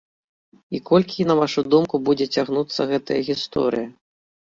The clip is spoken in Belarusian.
І колькі, на вашу думку, будзе цягнуцца гэтая гісторыя?